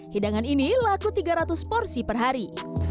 hidangan ini laku tiga ratus porsi per hari